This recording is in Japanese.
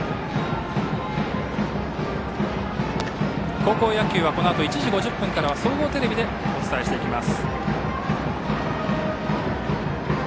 高校野球はこのあと１時５０分からは総合テレビでお伝えしていきます。